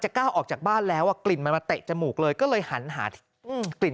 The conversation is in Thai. จะก้าวออกจากบ้านแล้วกลิ่นมาเตะจมูกเลยก็เลยหันหากลิ่น